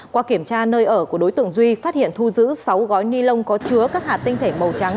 qua kiểm tra nơi ở của đối tượng duy phát hiện thu giữ sáu gói ni lông có chứa các hạt tinh thể màu trắng